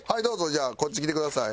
じゃあこっち来てください。